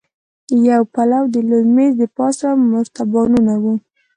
يو پلو د لوی مېز دپاسه مرتبانونه وو.